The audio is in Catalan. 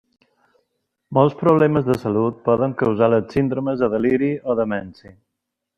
Molts problemes de salut poden causar les síndromes de deliri o demència.